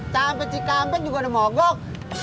sampai cikampe juga ada mongok